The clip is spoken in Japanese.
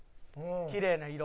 きれいな色」